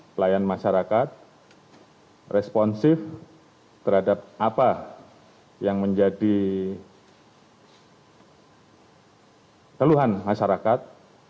pelayan masyarakat responsif terhadap aph yang menjadi teluhan masyarakat